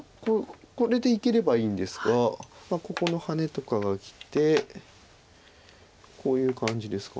これでいければいいんですがここのハネとかがきてこういう感じですか。